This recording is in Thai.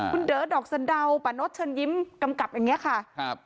คุณเดอะดอกสันดาวปะโน๊ตเชิญยิ้มกำกับอย่างนี้ค่ะ